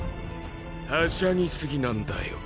はしゃぎすぎなんだよ。